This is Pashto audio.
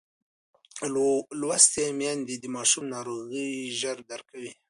لوستې میندې د ماشوم ناروغۍ ژر درک کوي.